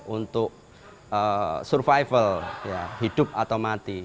untuk survival hidup atau mati